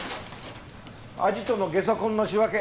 アジトのゲソ痕の仕分け